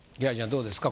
どうですか？